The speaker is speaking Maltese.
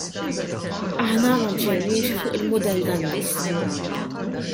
Aħna ma mxejniex fuq il-mudell Daniż.